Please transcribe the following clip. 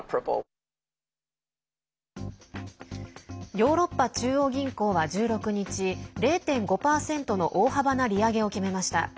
ヨーロッパ中央銀行は１６日０．５％の大幅な利上げを決めました。